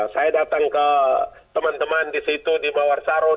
saya datang ke teman teman di situ di mawar sarut